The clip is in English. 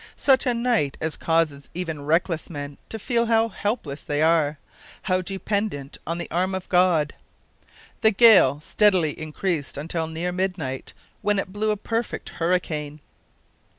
Such a night as causes even reckless men to feel how helpless they are how dependent on the arm of God. The gale steadily increased until near midnight, when it blew a perfect hurricane.